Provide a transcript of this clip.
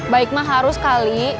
baik mah harus sekali